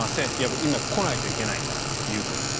今は来ないといけないからということです。